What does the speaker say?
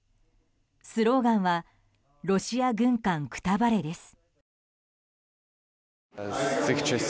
スローガンは「ロシア軍艦くたばれ」です。